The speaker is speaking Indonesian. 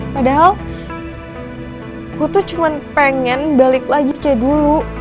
padahal aku tuh cuma pengen balik lagi kayak dulu